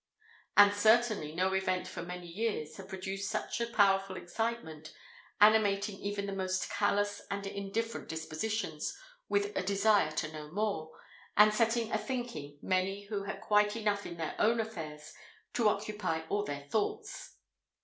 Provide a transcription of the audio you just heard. And certainly no event for many years had produced such a powerful excitement, animating even the most callous and indifferent dispositions with a desire to know more, and setting a thinking many who had quite enough in their own affairs to occupy all their thoughts.